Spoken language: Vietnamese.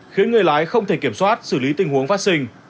khiến người lái không thể kiểm soát xử lý tình huống phát sinh